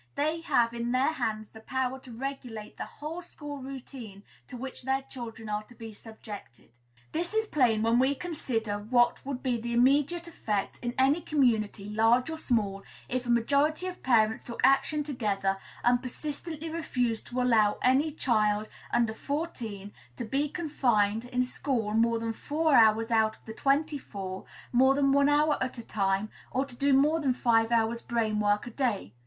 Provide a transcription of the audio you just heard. They have in their hands the power to regulate the whole school routine to which their children are to be subjected. This is plain, when we once consider what would be the immediate effect in any community, large or small, if a majority of parents took action together, and persistently refused to allow any child under fourteen to be confined in school more than four hours out of the twenty four, more than one hour at a time, or to do more than five hours' brain work in a day.